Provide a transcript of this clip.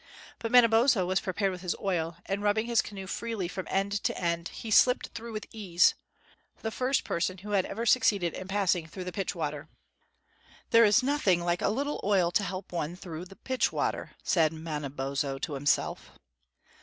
But Manabozho was prepared with his oil, and rubbing his canoe freely from end to end, he slipped through with ease, the first person who had ever succeeded in passing through the Pitch water. "There is nothing like a little oil to help one through pitch water," said Manabozho to himself.